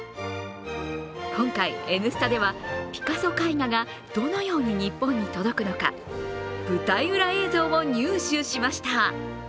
今回「Ｎスタ」では、ピカソ絵画がどのように日本に届くのか舞台裏映像を入手しました。